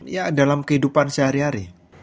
ya dalam kehidupan sehari hari